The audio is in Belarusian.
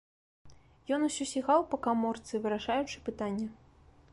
Ён усё сігаў па каморцы, вырашаючы пытанне.